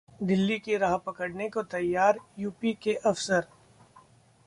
दिल्ली की राह पकड़ने को तैयार यूपी के अफसर